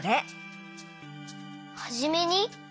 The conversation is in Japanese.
「はじめに」？